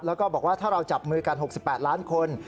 แล้วก็บอกว่าถ้าเราจับมือกัน๖๘ล้านคน